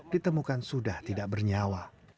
ditemukan sudah tidak bernyawa